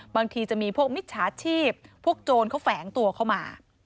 บางทีจะมีพวกมิจฉาชีพพวกโจรเขาแฝงตัวเข้ามา